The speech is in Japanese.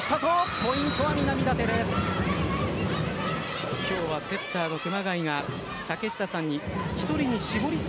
ポイントは南舘です。